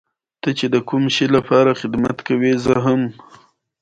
هولسینګر د ورجینیا پوهنتون استاد دی.